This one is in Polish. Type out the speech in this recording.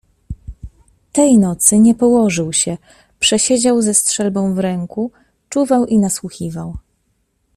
"Tej nocy nie położył się, przesiedział ze strzelbą w ręku, czuwał i nasłuchiwał."